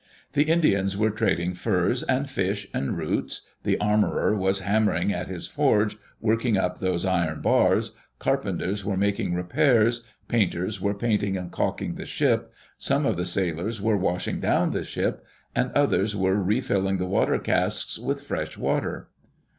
The Indians were trading furs and fish and roots; the armorer was hammering at his forge, working up those iron bars; carpenters were making repairs; painters were painting and caulking the ship; some of the sailors were washing down the ship, and others were refilling the water casks with fresh water.